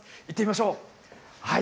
行ってみましょう。